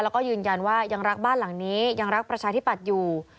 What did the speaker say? แล้วก็ยืนยันว่ายังรักบ้านหลังนี้ยังรักประชาธิปัตย์อยู่